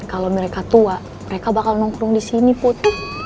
kalau mereka tua mereka bakal nongkrong disini put